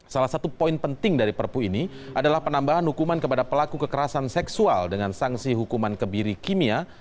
salah satu poin penting dari perpu ini adalah penambahan hukuman kepada pelaku kekerasan seksual dengan sanksi hukuman kebiri kimia